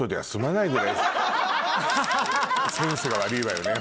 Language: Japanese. センスが悪いわよね